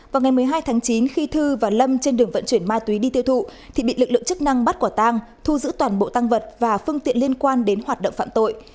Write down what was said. vào ngày một mươi hai tháng chín khi thư và lâm trên đường vận chuyển ma túy đi tiêu thụ thì bị lực lượng chức năng bắt quả tang thu giữ toàn bộ tăng vật và phương tiện liên quan đến hoạt động phạm tội